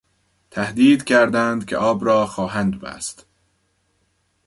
تهدید کردند که آب را خواهند بست.